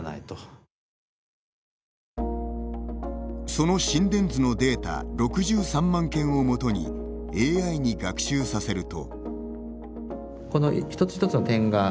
その心電図のデータ６３万件をもとにＡＩに学習させると。